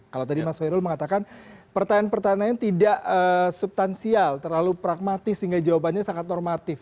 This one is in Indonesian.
kalau tadi mas fairul mengatakan pertanyaan pertanyaan yang tidak subtansial terlalu pragmatis sehingga jawabannya sangat normatif